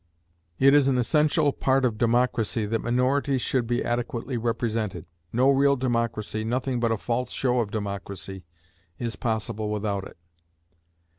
It is an essential part of democracy that minorities should be adequately represented. No real democracy, nothing but a false show of democracy, is possible without it.